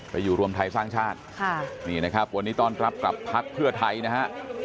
อยู่รวมไทยสร้างชาติค่ะนี่นะครับวันนี้ต้อนรับกลับพักเพื่อไทยนะฮะ